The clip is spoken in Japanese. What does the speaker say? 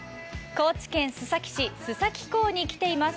高知県須崎市須崎港に来ています。